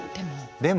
でも？